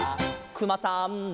「くまさんの」